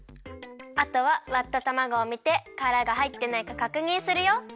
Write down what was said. あとはわったたまごをみてからがはいってないかかくにんするよ。